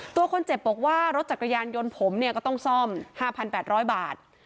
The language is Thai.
ตัวคนเจ็บบอกว่ารถจักรยานยนต์ผมเนี่ยก็ต้องซ่อม๕๘๐๐บาท